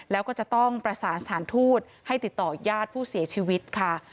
แล้วก็จะต้องประสานสถานทูตให้ติดต่อญาติผู้เสียชีวิตค่ะ